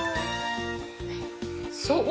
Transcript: そう。